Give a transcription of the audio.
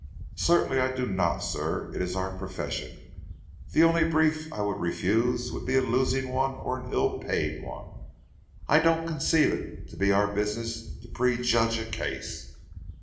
"Certainly I do not, sir, in our profession. The only brief I would refuse would be a losing or an ill paid one. I don't conceive it to be our business to prejudge a case."